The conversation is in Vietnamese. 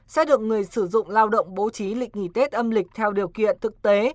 sẽ được người sử dụng lao động bố trí lịch nghỉ tết âm lịch theo điều kiện thực tế